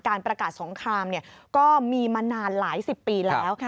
ประกาศสงครามก็มีมานานหลายสิบปีแล้ว